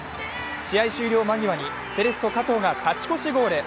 試合終了間際にセレッソ・加藤が勝ち越しゴール。